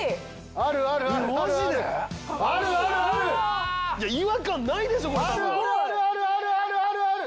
あるあるあるあるあるあるあるある！